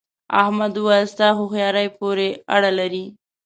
احمد وويل: ستا هوښیارۍ پورې اړه لري.